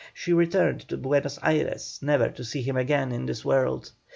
She returned to Buenos Ayres never to see him again in this world.